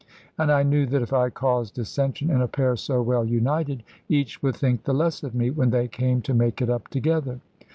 And I knew that if I caused dissension in a pair so well united, each would think the less of me, when they came to make it up together.